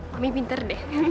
mami pintar deh